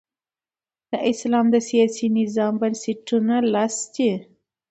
د اسلام د سیاسي نظام بنسټونه لس دي.